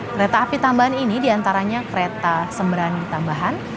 kereta api tambahan ini diantaranya kereta sembrani tambahan